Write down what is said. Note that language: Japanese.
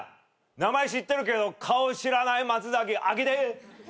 名前知ってるけど顔知らないマツザキ開けて。